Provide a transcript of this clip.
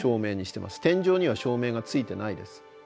天井には照明がついてないです。